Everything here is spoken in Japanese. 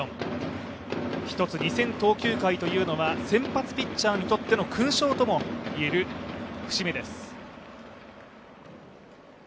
一つ２０００投球回というのは先発ピッチャーにとっての勲章ともいえる節目です。